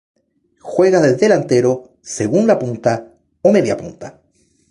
Juega de Delantero, segunda punta o mediapunta.